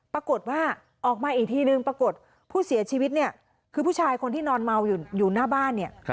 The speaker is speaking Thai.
ปรากฏว่าออกมาอีกทีนึงปรากฏผู้เสียชีวิตเนี่ยคือผู้ชายคนที่นอนเมาอยู่หน้าบ้านเนี่ย